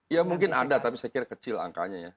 ya mungkin ada tapi saya kira kecil angkanya ya